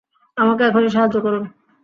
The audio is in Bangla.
আমাকে এখনই সাহায্য করুন।